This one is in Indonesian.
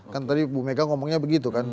kan tadi bu mega ngomongnya begitu kan